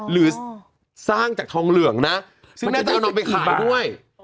หรือสร้างจากทองเหลืองนะซึ่งน่าจะเอาน้องไปขายด้วย